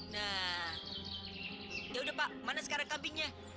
nah yaudah pak mana sekarang kambingnya